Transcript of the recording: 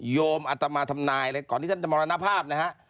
โยมอัตมาทำนายเลยก่อนที่ท่านจะมรณภาพนะฮะ